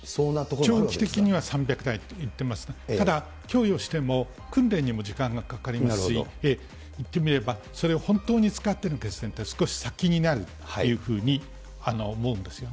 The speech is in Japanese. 長期的には３００台と言っていますが、ただ供与しても、訓練にも時間がかかりますし、いってみれば、それを本当に使っていくのは少し先になるっていうふうに思うんですよね。